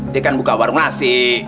dia kan buka warung nasi